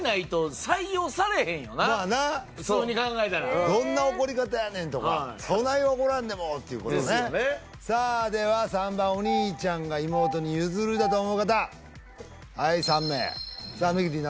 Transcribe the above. なるほどねまあな普通に考えたらどんな怒り方やねんとかはいそない怒らんでもっていうことねですよねさあでは３番お兄ちゃんが妹に譲るだと思う方はい３名さあミキティ